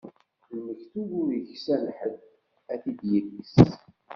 Lmektub, ur iksan ḥedd ad t-id-ikkes.